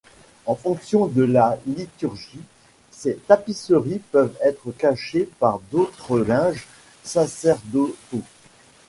En fonction de la liturgie, ces tapisseries peuvent être cachées par d'autres linges sacerdotaux.